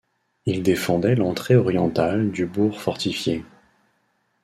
Il défendait l'entrée orientale du bourg fortifié.